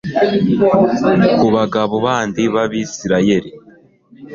ku bagabo bandi b'abisirayeli